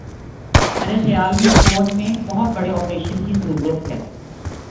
ارے خیال میں فوج میں بہت بڑے آپریشن کی ضرورت ہے